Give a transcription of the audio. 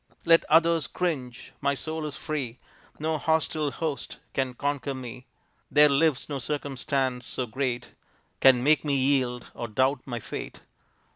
Let others cringe! My soul is free, No hostile host can conquer me. There lives no circumstance so great Can make me yield, or doubt my fate.